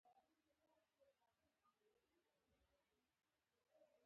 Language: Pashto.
خو ما غوښتل زموږ شعار بل ډول وي